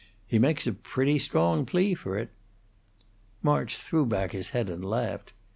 He makes a pretty strong plea for it." March threw back his head and laughed.